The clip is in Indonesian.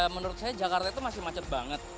menurut saya jakarta itu masih macet banget